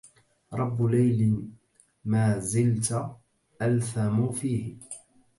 رب ليل مازلت ألثم فيه